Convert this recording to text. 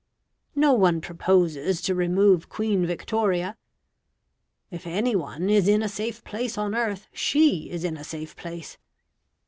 No one proposes to remove Queen Victoria; if any one is in a safe place on earth, she is in a safe place.